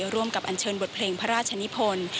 ร่วมกับอันเชิญบทเพลงพระราชนิพล